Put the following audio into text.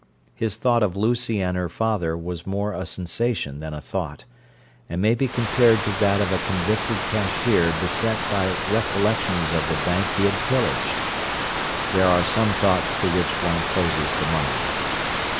His thought of Lucy and her father was more a sensation than a thought, and may be compared to that of a convicted cashier beset by recollections of the bank he had pillaged—there are some thoughts to which one closes the mind.